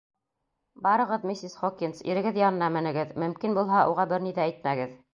Барығыҙ, миссис Хокинс, ирегеҙ янына менегеҙ, мөмкин булһа, уға бер ни ҙә әйтмәгеҙ.